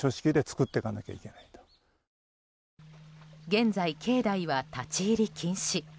現在、境内は立ち入り禁止。